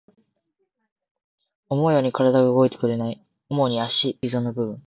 思うように体が動いてくれない。主に足、特に関節、膝の部分。